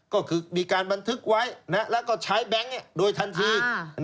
ก็คือมีการบันทึกไว้แล้วก็ใช้แบงค์โดยทันที